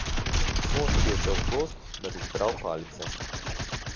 Moški je šel v gozd, da bi zbral palice.